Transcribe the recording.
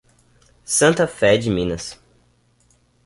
Santa Fé de Minas